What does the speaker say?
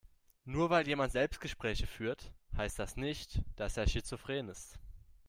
Nur weil jemand Selbstgespräche führt, heißt das nicht, dass er schizophren ist.